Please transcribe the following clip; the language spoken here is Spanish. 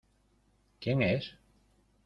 ¿ quién es?